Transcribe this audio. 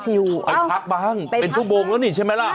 ไปพักบ้างเป็นชั่วโมงแล้วนี่ใช่ไหมล่ะ